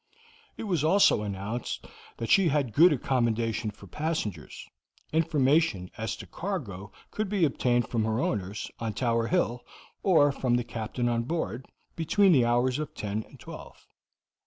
It was also announced that she had good accommodation for passengers. Information as to cargo could be obtained from her owners, on Tower Hill, or from the captain on board, between the hours of ten and twelve.